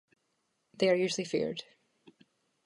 They are usually feared.